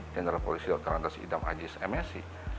general polisi lokal antasi idam ajis msi